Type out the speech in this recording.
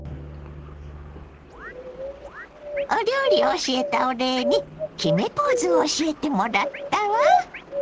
お料理教えたお礼に決めポーズを教えてもらったわ。